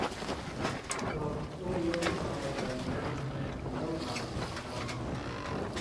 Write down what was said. A poor little fellow that never meant nobody no harm!